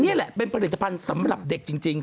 นี่แหละเป็นผลิตภัณฑ์สำหรับเด็กจริง